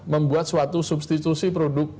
membuat suatu substitusi produk